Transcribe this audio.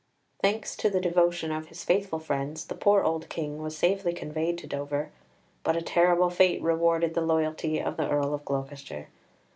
Thanks to the devotion of his faithful friends, the poor old King was safely conveyed to Dover, but a terrible fate rewarded the loyalty of the Earl of Gloucester.